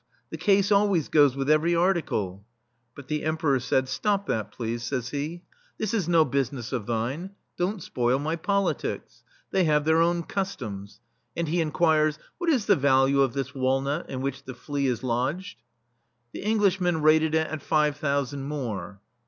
The case always goes with every article." But the Emperor said: "Stop that, please, says he. "This is no business [i8] THE STEEL FLEA of thine ; don't spoil my politics. They have their own customs." And he inquires :" What is the value of this walnut, in which the flea is lodged?" The Englishmen rated it at five thou sand more.